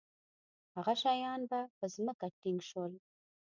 هغه شیان به په ځمکه ټینګ شول.